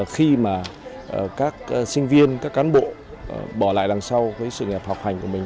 khi mà các sinh viên các cán bộ bỏ lại đằng sau với sự nghiệp học hành của mình